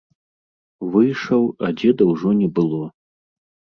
Выйшаў, а дзеда ўжо не было.